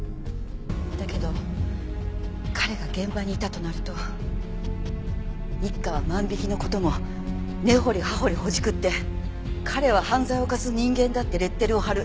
だけど彼が現場にいたとなると一課は万引きの事も根掘り葉掘りほじくって彼は犯罪を犯す人間だってレッテルを貼る。